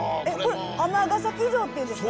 尼崎城っていうんですか。